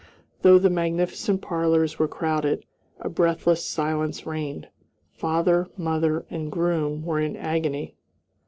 Though the magnificent parlors were crowded, a breathless silence reigned. Father, mother, and groom were in agony.